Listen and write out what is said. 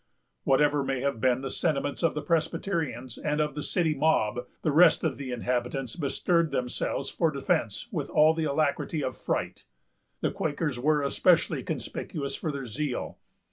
Whatever may have been the sentiments of the Presbyterians and of the city mob, the rest of the inhabitants bestirred themselves for defence with all the alacrity of fright. The Quakers were especially conspicuous for their zeal.